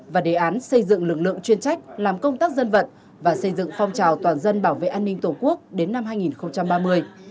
và đề án xây dựng lực lượng chuyên trách làm công tác dân vận và xây dựng phong trào toàn dân bảo vệ an ninh tổ quốc đến năm hai nghìn ba mươi